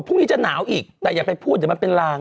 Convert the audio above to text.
พรุ่งนี้จะหนาวอีกแต่อย่าไปพูดเดี๋ยวมันเป็นลาง